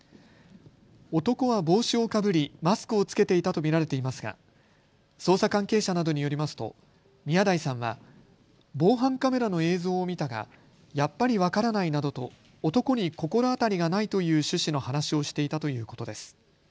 男は帽子をかぶりマスクを着けていたと見られていますが捜査関係者などによりますと宮台さんは防犯カメラの映像を見たが、やっぱり分からないなどと男に心当たりがないという趣旨の話をしていたということです。